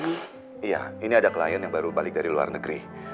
iya ini ada klien yang baru balik dari luar negeri